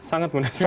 sangat muda sekali